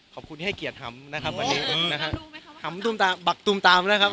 ขอบคุณให้เกียจหำนะครับวันนี้